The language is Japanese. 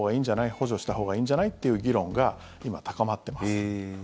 補助したほうがいいんじゃない？という議論が今、高まってます。